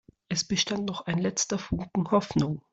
Es bestand noch ein letzter Funken Hoffnung.